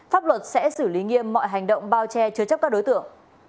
pháp luật sẽ xử lý nghiêm mọi hành động bao che chứa chấp các đối tượng